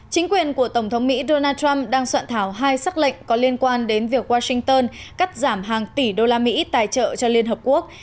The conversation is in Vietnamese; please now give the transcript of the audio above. chính quyền của tổng thống mỹ donald trump đang soạn thảo hai xác lệnh có liên quan đến việc washington cắt giảm hàng tỷ đô la mỹ tài trợ cho liên hợp quốc